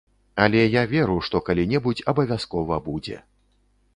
Але я веру, што так калі-небудзь абавязкова будзе.